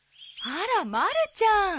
あらまるちゃん。